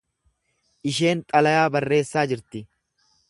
Isheen xalayaa barreessaa jirti.